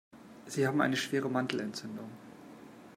Sie haben eine schwere Mandelentzündung.